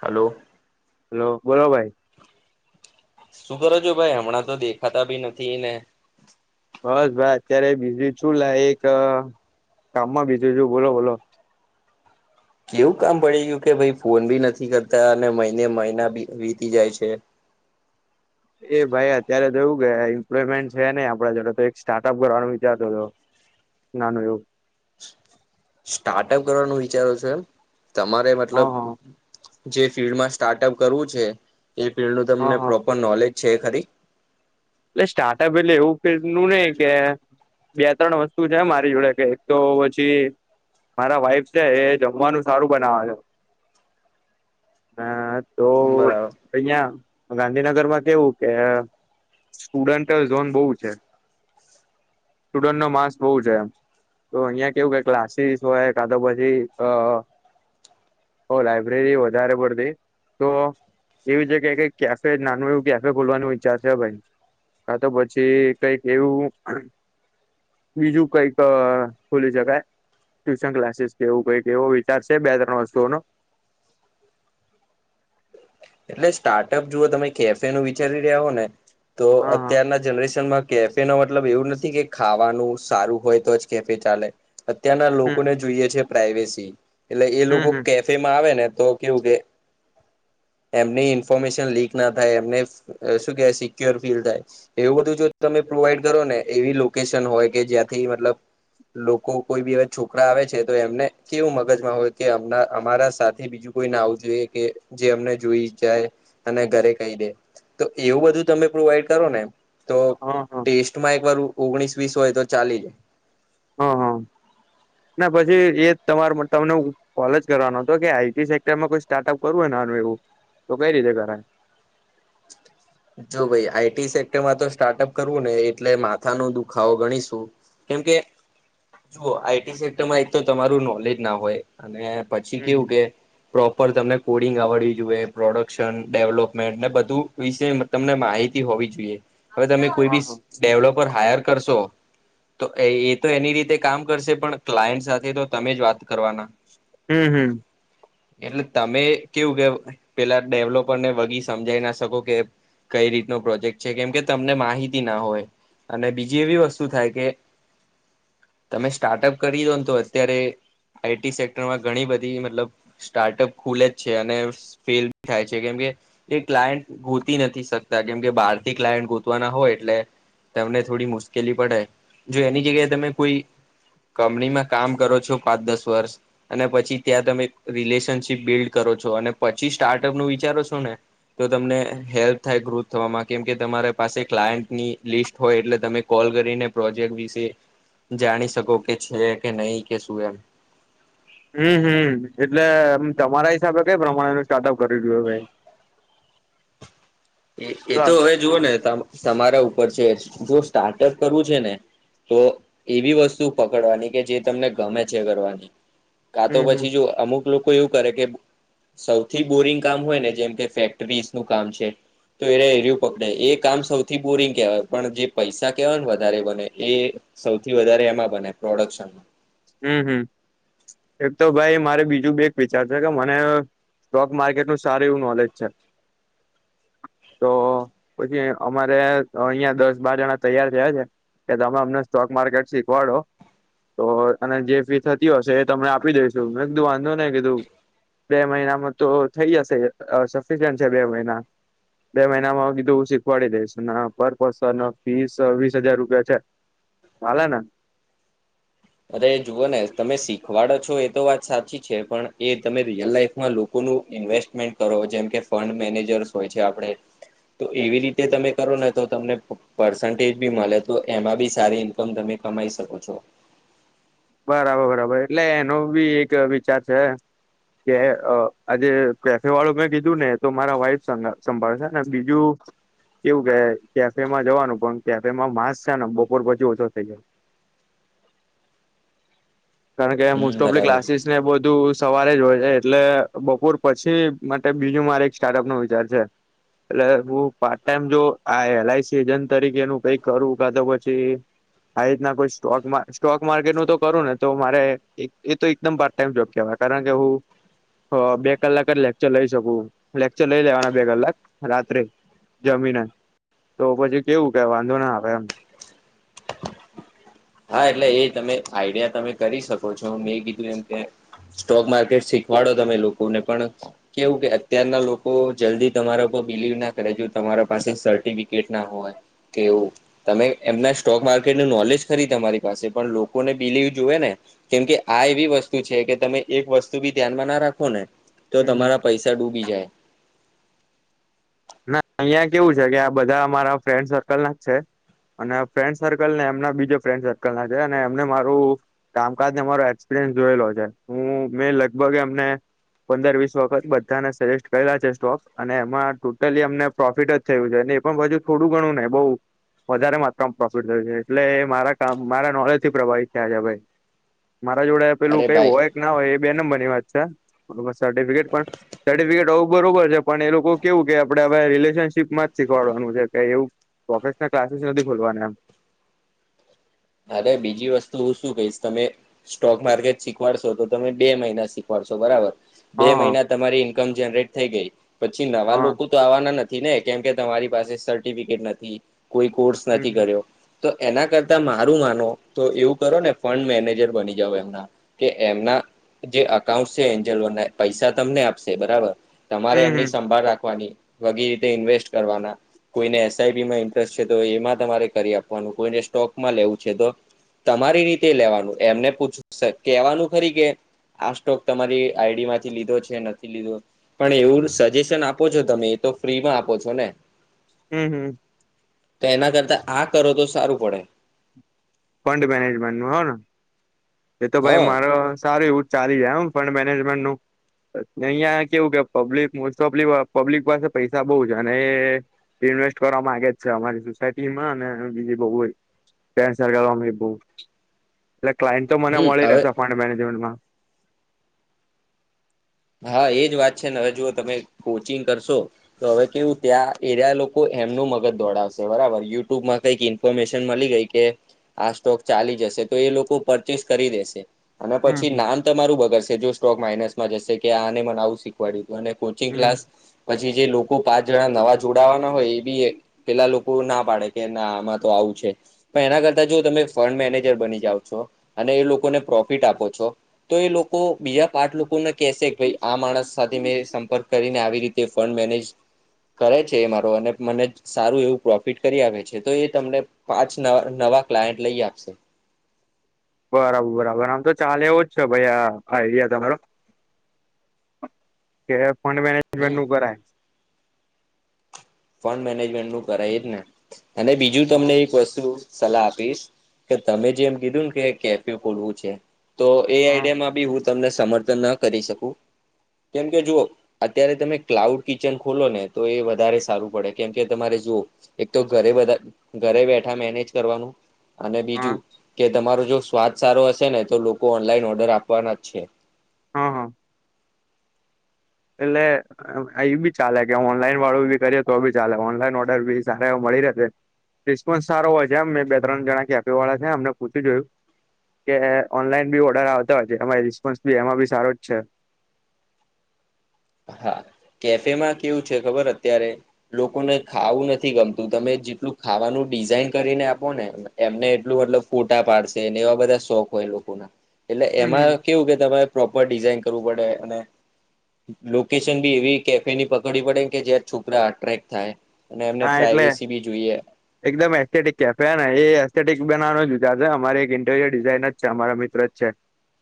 હાલો. Hello બોલો ભાઈ. શું કરો છો ભાઈ હમણાં તો દેખાતા બી નથીને. બસ ભાઈ અત્યારે બીજી છું લાઈક અહ કામમાં બીજી છું બોલો બોલો. કેવું કામ પડી ગયું કે ભાઈ ફોન બી નથી કરતા અને મહિને મહિનાી વીતી જાય છે. એ ભાઈ અત્યારે તો એવુ [unintelligible] એમપ્લોયમેન્ટ છે નહી આપણા જોડે તો એક સ્ટાર્ટઅપ કરવાનું વિચારતો હતો નાનું એવું. સ્ટાર્ટઅપ કરવાનું વિચારો છો એમ તમારે હ મતલબ હ જે ફિલ્ડમાં સ્ટાર્ટઅપ કરવું છે એ ફિલ્ડનું હ તમને હ પ્રોપર નોલેજ છે ખરી. એટલે સ્ટાર્ટઅપ એટલે એવું કેકનું નહી કે બે ત્રણ વસ્તુ છે મારી જોડે કે એક તો પછી મારા વાઈફ છે એ જમવાનું સારું બનાવા છે. તો બરાબર. અયા ગાંધીનગરમાં કેવું કે સ્ટુડન્ટ ઝોન બહુ છે સ્ટુડ નો માસ બહુ એમ. તો અહિયાં કેવું કે ક્લાસીસ હોય કા તો પછી અ ઓ લાઈબ્રેરી વધારે પડતી તો એવી જ છે ક કેફે નાનું એવું કેફે ખોલવાનું વિચાર છે ભાઈ હા કઈક એવું બીજું કઈક ખુલી જગ ટ્યુશન ક્લાસીસ કેવું કઈક એવો વિચાર છે બે ત્રણ વસ્તુઓ નનો એટલે સ્ટાર્ટઅપ જોુ તમે કેફે ન વિચારી રહ્યા હો ને તો હા હા અત્યારના જનરેશનમાં કેફે નો મતલબ એવું નથી કે ખાવાનું સારું હોય તો જ કેફે ચાલે અત્યારના હમ લોકોને જોઈએ છે પ્રાઈવેસી એટલે એ લોકો હમ હમ કેફે માં આવે ને તો કેવું કે એમને ઇન્ફોર્મેશન લીક ના થાય એમને શું કે સિક્યોર ફીલ થાય એવું બધું જો તમે પ્રોવાઈડ કરો ને એવી લોકેશન હોય કે જ્યાંથી મતલબ લોકો કોઈ બીવે છોકરા આવે છે તો એમને કેવું મગજમાં હોય કે અમારા સાથે બી બ કોઈ નાવું જોઈએ કે જેમને જોઈ જાય અને ઘરે કહી દે તો એવું બધું તમે પ્રોવાઈડ કરો ને તો હા હા ટેસ્ટમાં એક વાર ઓગણીસ વીસ હોય તો ચાલી જાય હા હા [unintelligible] ના પછી એ તમાર તમને કોલેજ કરવાનો હતો કે આઈટી સેક્ટરમાં કોઈ સ્ટાર્ટઅપ કરવું હોને આનું એવું તો કઈ રીતે કરાય જો ભાઈ આઈટી સેક્ટરમાં તો કરવું ને એટલે માથા નો ગણીશું કેમકે જઓ આઈટી સેક્ટરમાં એક તો તમારું નોલેજ ના હોય અને પછી હમ કેવું કે પ્રોપર તમને કોડિંગ આવડવી જોઈએ પ્રોડક્શન ડેવલપમેન્ટ ને બધું વિશે તમને માહિતી હોવી જોઈએ હવે હમ તમે કોઈ બી ડેવલોપર હાયર કરશો તો એ એ તો એની રીતે કામ કરશે પણ ક્લાયન્ટ સાથે તો તમે જ વાત કરવાના હમ્મ હમ્મ. એટલે તમે કેવું કે પેલા ડેવલોપરને વગી સમજાઈ ના શકો કે કઈ રીતનો પ્રોજેક્ટ છે કેમ કે તમને માહિતી ના હોય. અને બીજી એવી વસ્તુ થાય કે તમે સ્ટાર્ટઅપ કરી દો ને તો અત્યારે આઈ ટી સેક્ટરમાં ઘણી બધી મતલબ સ્ટાર્ટઅપ ખુલે જ છે અને ફેલ બી થાય છે કેમ કે એ ક્લાયન્ટ હોતી નથી શકતા કેમ કે બહારથી ક્લાયન્ટ ગોતવાના હોય એટલે તમને થોડી મુશ્કેલી પડે, જો એની જગ્યાએ તમે કોઈ કંપનીમાં કામ કરો છો પાંચ દસ વર્ષ. અને પછી ત્યાં તમે રિલેશનશીપ બિલ્ડ કરો છો અને પછી સ્ટાર્ટઅપનું વિચારો છો ને, તો તમને હેલ્પ થાય ગ્રુથ થવામાં કેમ કે તમારી પાસે ક્લાયન્ટની લિસ્ટ હોય એટલે તમે કોલ કરીને પ્રોજેક્ટ વિશે જાણી શકો કે છે કે નહિ કે શું એમ. હમ્મ હમ્મ એટલે તમારા હિસાબે કઈ પ્રમાણેનું સ્ટાર્ટઅપ કરી રહ્યું ભાઈ. [inaudible] એ એ તો ભાઈ હવે જુઓ હમ ને તમારા ઉપર છે જો સ્ટાર્ટઅપ કરવું છે ને, તો એવી વસ્તુ પકડવાની કે જે તમને ગમે છે કરવાની. કા તો હમ પછી જો અમુક લોકો એવું કરે કે સૌથી બોરિંગ કામ હોય ને જેમ કે ફેક્ટરીસ નું કામ છે. તો એને એરું પકડે એ કામ સૌથી બોરિંગ કહેવાય પણ જે પૈસા કહેવાય ને વધારે બને એ સૌથી વધારે એમાં બને પ્રોડક્શનમાં. હમ હમ એક તો ભાઈ મારે બીજું બે વિચાર છે કે મને સ્ટોક માર્કેટનું સારું એવું નોલેજ છે. તો પછી અમારે અહિયાં દસ બાર જણા તૈયાર થયા છે. કે તમે અમને સ્ટોક માર્કેટ શીખવાડો તો અને જે ફી થતી હશે એ તમને આપી દઈશું મેં કીધું વાંધો નહીં કીધું. બે મહિનામાં તો થઈ જશે સફિસિયન્ટ છે બે મહિના. બે મહિનામાં હ કીધું શીખવાડી દઈશ ના પર્પસ અને ફીસ વીસ હજાર રૂપિયા છે. હાલ ને. અરે એ જુઓ ને તમે શીખવાડો છો એ તો વાત સાચી છે પણ એ તમે રિયલ લાઈફમાં લો કોનુ ઇન્વેસ્ટમેન્ટ કરો જેમ કે ફંડ મેનેજર્સ હોય છે આપણે. તો એવી રીતે તમે કરો ને તો તમને પર્સન્ટેજ બી મળે તો એમાં બી સારી તમ તમે કમાઈ શકો છો. બરાબર બરાબર એટલે એનો બી એક વિચાર છે કે અ આ જે કેફે વાળું મેં કીધું ને તો મારા વાઈફ સંભાળશે ને બીજું એવું કે કેફેમાં જવાનું પણ કેફેમાં માંસ છે ને બપોર પછી ઓછો થઇ જાય. કારણ કે હમ મોસ્ટ ઓફ લી બરાબર ક્લાસીસ ને બધું સવારે જ હોય છે એટલે બપોર પછી માટે બીજું મારે એક સ્ટાર્ટઅપ નો વિચાર છે. એટલે હું પાર્ટ ટાઈમ જો આ એલ આઈ સી એજન્ટ તરીકેનું કઈક કરું કા તો પછી આ એ રીતના કોઈ સ્ટોકમા સ્ટોક માર્કેટનું તો કરું ને તો મારે એ તો એકદમ પાર્ટ ટાઈમ જોબ કેવાય કારણ કે હું હ બે કલાક જ લેક્ચર લઈ શકું લેક્ચર લઈ લેવાના બે કલાક રાત્રે. જમીને તો પછી કેવું કે વાંધો આવે એમ. હા એટલે એ તમે આઈડિયા તમે કરી છો મે કીધું એમ કે સ્ટોક માર્કેટ શીખ વાળો તમે લોકોને પણ કેવું કે અત્યારના લોકો જલ્દી તમારા ઉપર બિલીવ ના કરે જો તમારા પાસે સર્ટિફિકેટ ના હોય કેવું તમે એમના સ્ટોક માર્કેટ નું નોલેજ ખરી તમારી પાસે પણ લોકોને બીલીવ જોવે ને કેમકે આ એવી વસ્તુ છે કે તમે એક વસ્તુ બી ધ્યાનમાં ના રાખો ને જો હમ હમ તમારા પૈસા ડૂબી જાય ના અહિયાં કેવું છે કે આ બધા અમારા ફ્રેન્ડ સર્કલ ના છે અને ફ્રેન્ડ સર્કલ ને એમના બીજો ફ્રેન્ડ સર્કલ ના છે અને એમને મારું કામકાજ ને અમારો એક્સપિરિયન્સ જોયેલો છે હું મેં લગભગ એમને પંદર વીસ વખત બધાને સજેસ્ટ કરેલા છે સ્ટોક અને એમાં ટોટલી એમને પ્રોફિટ જ થયું છે ને પણ બીજું થોડું ઘણું ને બઉ વધારે માત્રામાં પ્રોફિટ થયું છે એટલે એ મારા કામ મારા નોલેજ થી પ્રભાવિત થયા છે ભાઈ મારા જોડે પેલું અરે કઈ ભાઈ હોય કે ના હોય એ બે નંબર ની વાત છે સર્ટિફિકેટ પણ સર્ટિફિકેટ હોવું બરોબર છે પણ એ લોકો કેવું કે આપણે હવે રિલેશનશીપમાં જ શીખવાડવાનું છે કે એવું પ્રોફેશનલ ક્લાસીસ નથી ખોલવાનું એમ અરે બીજી વસ્તુ હું શું કહીશ તમે સ્ટોક માર્કેટ શીખવાડશો તો તમે બે મહિના શીખવાડશો બરાબર બે હા હા મહિના તમારી ઈન્કમ જનરેટ થઈ ગઈ પછી નવા હા લોકો તો આવાના નથી ને કેમકે તમારી પાસે સર્ટિફિકેટ નથી કોઈ કોર્સ હમ નથી હમ કર્યો તો એના કરતામાં સારું માનો તો એવું કરો ને ફંડ મેનેજર બની જાવ એમના કે એમના જે અકાઉન્ટ છે એન્જલોના પૈસા તમને આપશે બરાબર તમારે એમની હમ સંભાળ રાખવાની બધી રીતે ઇન્વેસ્ટ કરવાના કોઈને એસઆઈપી માં ઇન્ટરેસ્ટ છે તો એમાં તમારે કરી આપવાનું કોઈને સ્ટોકમાં લેવું છે તો તમારી રીતે લેવાનું એમને પૂછું કેવાનું ખરી કે આ સ્ટોક તમારી આઈડી માંથી લીધો છે નથી લીધો પણ એવું સજેશન આપો છો તમે તો તમે એ તો ફ્રીમાં આપો છો ને હુમ્મ, હુમ્મ, તેના કરતા આ કરો તો સારું પડે. ફંડ મેનેજમેન્ટનું હ ને? એ તો ભાઈ હા મારે અવે સારું એવું ચાલી જાય એમ ફંડ મેનેજમેન્ટનું. અ અઈયાં કેવું કે પબ્લિક મોસ્ટ ઓફલી વા પબ્લિક પાસે પૈસા બોઉ ઓછા અને એ ઇન્વેસ્ટ કરવા માંગે જ છે અમારી સોસાયટીમાં અને બીજી બોઉ હોય. કેન્સલ કરવામાથી બોઉ, એટલે ક્લાઈન્ટ તો મને હમ મળી હવે રેશે ફંડ મેનેજમેન્ટમાં. હા, એજ વાત છે ને? અવે જુઓ, તમે કોચિંગ કરશો? તો અવે કેવું ત્યાં એયરા લોકો એમનું મગજ દોડાવશે બરાબર યુટ્યુબમાં કંઈક ઈન ફોર્મેશન મલી ગેઈ કે, આ સ્ટોક ચાલી જશે તો એ લોકો પરચેસ કરી દેશે. અને પછી હમ નામ તમારું બગડશે જો સ્ટોક માઇનસમાં જસે કે આને મને આવું શીખ પળી ગીયું, અને કોચિંગ હમ ક્લાસ પછી જે લોક કો પાંચ જણા નવા જોડાવાના હોય એ બી એ પેલા લોકો ના પાડે કે ના આમાં તો આવું છે. પણ એના કરતા જો તમે ફંડ મેનેજર બની જાઓ છો અને એ લોકોને પ્રોફિટ આપો છો. તો એ લોકો બીજા પાંચ લોકોને કેશે કે ભઈ આ માણસ સાથે મેં સંપર્ક કરીને આવી રીતે તે ફંડ મેનેજ કરે છે મારો અને મને જ સારું એવું પ્રોફિટ કરી આપે છે તો એ તમને પાંચ નવા નવા ક્લાઈન્ટ લઈ આપશે. બરાબર, બરાબર, આમ તો ચાલે એવું જ છે ભાઈ આ આઈડિયા તમારો. કે ફંડ હમ મેનેજમેન્ટનું કરાય. ફંડ મેનેજમેન્ટનું કરાય એ જ ને અને બીજું હ તમને એક વસ્તુ સલાહ આપીશ કે તમે જેમ કીધું ને કે કેફે ખોલવું છે, તો એ હ આઈડિયામાં બી હું તમને સમર્થન ન કરી શકું. કેમ કે જુઓ, અત્યારે તમે ક્લાઉડ કિચન ખોલો ને, તો એ વધારે સારું પળે કેમ કે તમારે જુઓ એક તો ઘરે બધા, ઘરે બેઠા મેનેજ કરવાનું. અને હ બીજું કે, તમારો જો સ્વાદ સારો હશે ને, તો લોકો ઓનલાઈન ઓર્ડર આપવાના જ છે. હ, હ, એટલે? એ બી ચાલે, કે ઓનલાઈન વાળું બી કરીએ તો બી ચાલે ઓનલાઈન ઓર્ડર બી સારા એવા મળી રેશે. રિસ્પોન્સ સારો હોય છે, એમ મેં બે-ત્રણ જણા કેફે વાળા છે અમને પૂછી જોયું. કે ઓનલાઈન બી ઓર્ડર આવતા હોય છે, એમાં રિસ્પોન્સ બી એમાં બી સારો જ છે. હા, કેફેમાં કેવું છે? ખબર અત્યારે? લોકોને ખાવું નથી ગમતું, તમે જેટલું ખાવાનું ડિઝાઇન કરીને આપો ને એમને એટલું મતલબ ફોટા પાડશે ને એવા બધા શોક હોય એ લોકોના. એટલે હમ એમાં હમ કેવું કે તમારે પ્રોપર ડિઝાઇન કરવું પડે, અને લોકેશન બી એવી કેફેની પકડવી પડે કે જ્યાં છોકરા અટ્રેક્ટ થાય. અને એમને હા એટલે પ્રાઈવેસી બી જોઈએ. એકદમ એસ્થેટિક કેફે હેને, એ એસ્થેટિક બનાવાનો જ વિચાર છે અમારે એક ઇન્ટીરિયર ડિઝાઇન જ છે અમારા મિત્ર જ છે.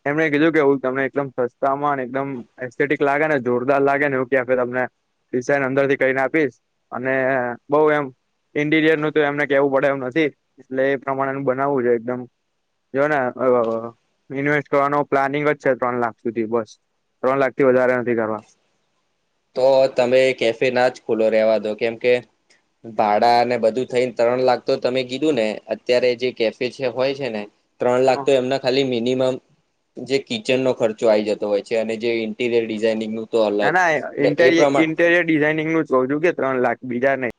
એમણે કીધું કે, હું તમને એકદમ સસ્તામાં અને એકદમ એસ્થેટિક લાગે ને, જોરદાર લાગે ને એવું કેફે તમને ડિસાઇન અંદરથી કરીને આપીશ. ને બોઉ એમ ઇન્ટીરિયરનું તો એમને કેવું પડે એમ નથી, એટલે એ પ્રમાણેનું બનાવું છે, એકદમ જો ને અ ઇન્વેસ્ટ કરવાનો પ્લાનિંગ જ છે ત્રણ લાખ સુધી, બસ, ત્રણ લાખથી વધારે નથી કરવા. તો તમે કેફે ના જ ખોલો, રેવા દો, કેમ કે ભાડા અને બધું થઈને ત્રણ લાખ તો તમે કીધું ને અત્યારે જે કેફે છે હોય છે ને ત્રણ લાખ તો એમના ખાલી મિ મિનિમમ જે કિચનનો ખર્ચો આવી જતો હોય છે, અને જે ઇન્ટીરિયર ડિઝાઈનિંગનું તો અલગ એટલે એ ઇન્ટેરિયર પ્રમાણે ઇન્ટેરિયર ડિઝાઇનિંગનું જ કઉ છું કે ત્રણ લાખ બીજા નઈ,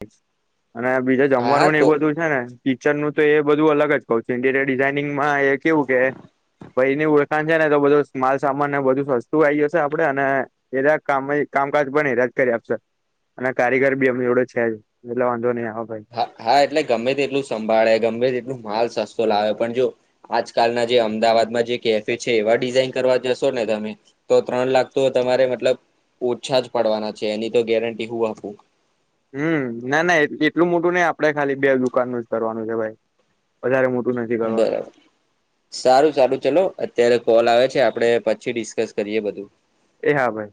અને બીજા હા હા જમવાનું ને એ તો બધું છે ને ટીચર નું તો એ બધું અલગ જ કઉ ઇન્ટીરિયર ડિઝાઇનિંગમાં એ કેવું કે ભાઈ એની ઓળખાણ છે ને તો બધું માલ સામાન ને બધું સસ્તું આવી જશે આપડે અને એલા કામ કામકાજ બને રાજ કરી આપશો અને કારીગર બી અમને એડો છે જ એટલે વાંધો નહી આવે ભાઈ હા હા ગમે તેટલું સંભાળે ગમે તે એટલું માલ સસ્તો લાવે પણ જો આજકાલના જે અમદાવાદમાં જે કેફે છે એવા ડિઝાઇન કરવા જશો ને તમે તો ત્રણ લાખ તો તમારે મતલબ ઓછા જ પડવાના છે એની તો ગેરંટી હું આપું હમ ના ના એટલું મોટું નઈ આપડે ખાલી બે દુકાન જ કરવારનું છે ભાઈ વધારે મોટું નથી કરવાનું બરાબર સારું સારું ચલો અત્યારે કોલ આવે છે આપડે પછી ડિસ્કસ કરીએ બધું એ હા ભાઈ